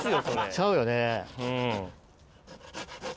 ちゃうよね。